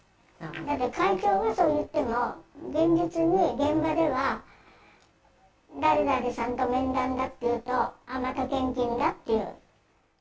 だって、会長はそう言っても、現実に、現場では誰々さんと面談だってなると、あ、また献金だっていう。